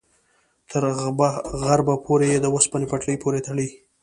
تر غربه پورې یې د اوسپنې پټلۍ پورې تړي.